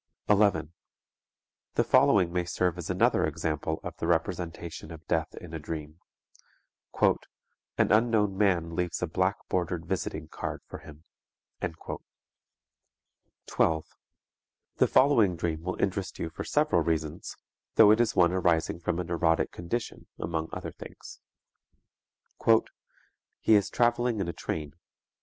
11. The following may serve as another example of the representation of death in a dream: "An unknown man leaves a black bordered visiting card for him." 12. The following dream will interest you for several reasons, though it is one arising from a neurotic condition among other things: "_He is traveling in a train.